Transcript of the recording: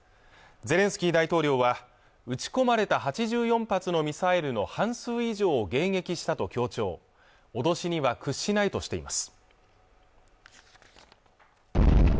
ゼレンスキー大統領は撃ち込まれた８４発のミサイルの半数以上を迎撃したと強調脅しには屈しないとしています